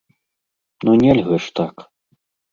Ну, нельга ж так!